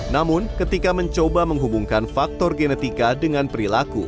namun ketika mencoba menghubungkan faktor genetika dengan perilaku